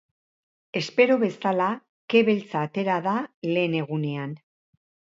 Espero bezala, ke beltza atera da lehen egunean.